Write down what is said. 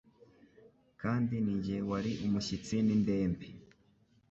kandi ninjye wari umushyitsi n'indembe.